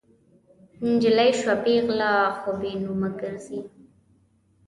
نجلۍ شوه پیغله خو بې نومه ګرزي